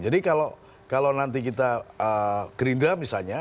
jadi kalau nanti kita gerindah misalnya